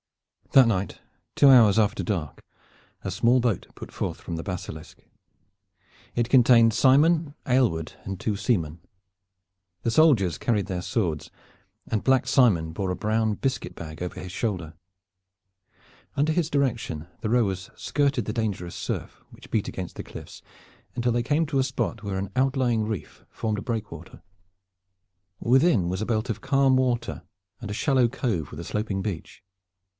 That night, two hours after dark, a small boat put forth from the Basilisk. It contained Simon, Aylward and two seamen. The soldiers carried their swords, and Black Simon bore a brown biscuit bag over his shoulder. Under his direction the rowers skirted the dangerous surf which beat against the cliffs until they came to a spot where an outlying reef formed a breakwater. Within was a belt of calm water and a shallow cover with a sloping beach.